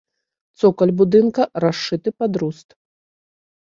Цокаль будынка расшыты пад руст.